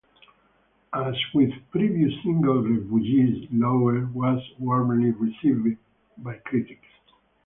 As with previous single "Refugees", "Lovers" was warmly received by critics.